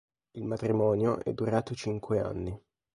Il matrimonio è durato cinque anni.